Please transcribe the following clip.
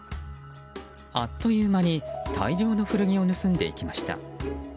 あっという間に大量の古着を盗んでいきました。